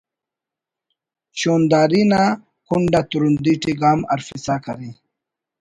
شونداری نا کنڈآ ترندی ٹی گام ہرفسا کرے